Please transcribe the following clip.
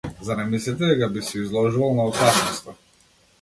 Зарем мислите дека би се изложувал на опасноста?